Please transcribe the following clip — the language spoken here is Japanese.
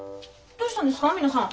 どうしたんですか皆さん？